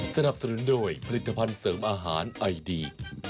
สนับสนุนโดยผลิตภัณฑ์เสริมอาหารไอดี